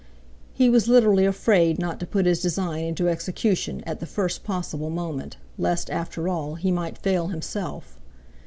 He was literally afraid not to put his design into execution at the first possible moment, lest, after all, he might fail himself.